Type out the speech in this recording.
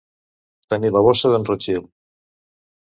Tenir la bossa d'en Rothschild.